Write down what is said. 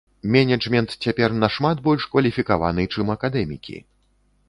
Менеджмент цяпер нашмат больш кваліфікаваны, чым акадэмікі.